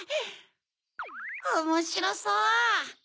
おもしろそう！